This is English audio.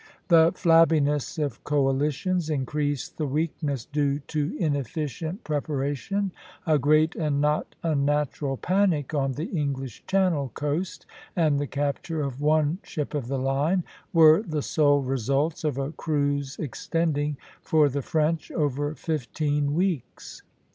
The flabbiness of coalitions increased the weakness due to inefficient preparation; a great and not unnatural panic on the English Channel coast, and the capture of one ship of the line, were the sole results of a cruise extending, for the French, over fifteen weeks.